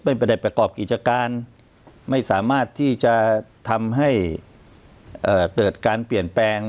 ไม่ได้ประกอบกิจการไม่สามารถที่จะทำให้เกิดการเปลี่ยนแปลง